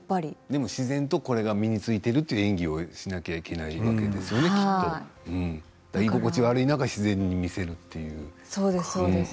でも、これが自然と身についているという演技をしなければいけないわけですよねきっと居心地が悪い中、自然に見せる。